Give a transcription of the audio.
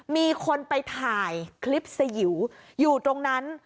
มีคนไปถ่ายคลิปสยิวอยู่ตรงนั้น